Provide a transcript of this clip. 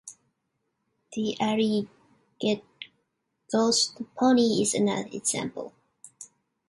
The Ariegeois pony is another example.